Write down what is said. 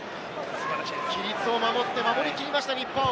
規律を守って、守りきりました日本。